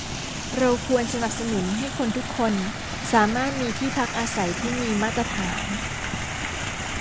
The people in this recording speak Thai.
เราควรสนับสนุนให้คนทุกคนสามารถมีที่พักอาศัยที่มีมาตรฐาน